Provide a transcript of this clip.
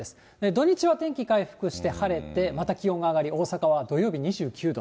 土日は天気回復して、晴れて、また気温が上がり、大阪は土曜日２９度。